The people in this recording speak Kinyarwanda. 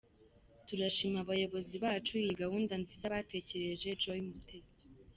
Turashimira abayobozi bacu iyi gahunda nziza batekereje’’ Joy Mutesi.